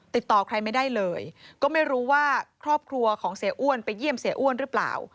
ติดต่อใครไม่ได้เลยก็ไม่รู้ว่าครอบครัวของเสียอ้วนไปเยี่ยมเสียอ้วนหรือเปล่า